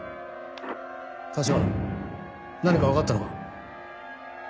橘何か分かったのか？